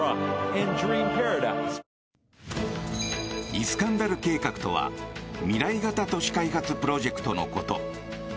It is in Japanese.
イスカンダル計画とは未来型都市開発プロジェクトのこと。